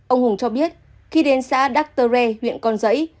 ông hùng cho biết khi đến xã đắc tơ re huyện con giấy